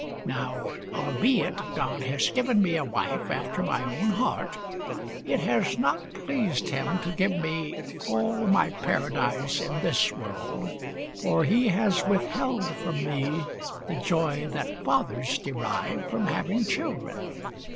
Now, albeit God has given me a wife after my own heart, it has not pleased Him to give me all my Paradise in this world, for He has withheld from me the joy that fathers derive from having children.